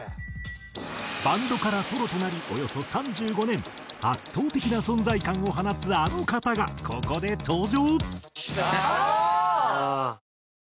バンドからソロとなりおよそ３５年圧倒的な存在感を放つあの方がここで登場！